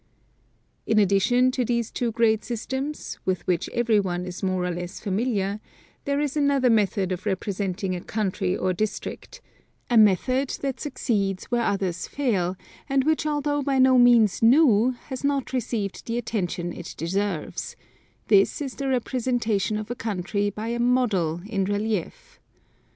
In addition to these two great systems, with which everyone is more or less familiar, there is another method of representing a country or district, — a method that succeeds where others fail, and which although by no means new, has not received the atten tion it deserves: this is the representation of a country by a model in relief.